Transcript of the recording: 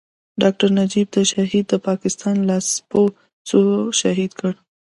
ډاکټر نجيب شهيد د پاکستان لاسپوڅو شهيد کړ.